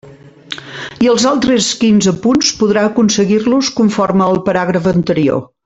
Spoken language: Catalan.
I els altres quinze punts podrà aconseguir-los conforme al paràgraf anterior.